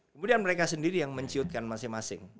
kemudian mereka sendiri yang menciutkan masing masing